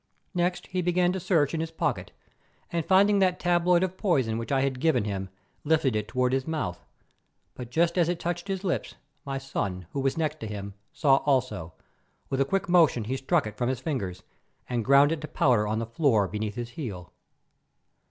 Next he began to search in his pocket, and finding that tabloid of poison which I had given him, lifted it toward his mouth. But just as it touched his lips, my son, who was next to him, saw also. With a quick motion he struck it from his fingers, and ground it to powder on the floor beneath his heel.